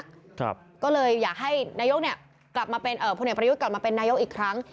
ก็เลยอยากให้พลเนกประยุทธกลับมาเป็นนายกรัฐมนตรีอีกครั้ง